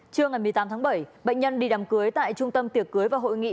trưa ngày một mươi tám tháng bảy bệnh nhân đi đám cưới tại trung tâm tiệc cưới và hội nghị